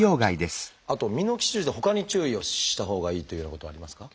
あとミノキシジルでほかに注意をしたほうがいいというようなことはありますか？